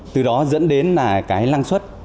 từ đó dẫn đến là cái lăng suất